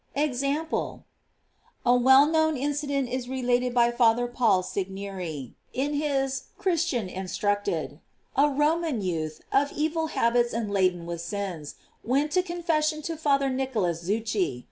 EXAMPLE. A well known incident is related by Father Paul Segneri in his "Christian Instructed.'']; A Ro man youth, of evil habits and laden with sins, went to confession to Father Kiccolas ZuccLi.